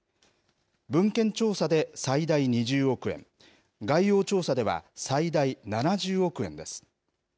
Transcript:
文献調査で最大２０億円、概要調査では最大７０億円です。